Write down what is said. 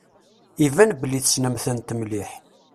Iban belli tessnem-tent mliḥ.